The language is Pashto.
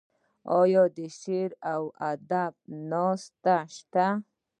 آیا د شعر او ادب ناستې شته؟